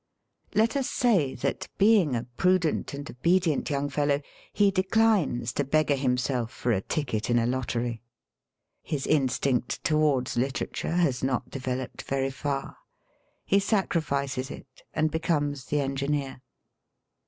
Let us say that, being a prudent and obedient young fellow, he declines to beggar himself for a ticket in a lottery. His instinct towards litera ture has not developed very far; he sacrifices it and becomes the engineer.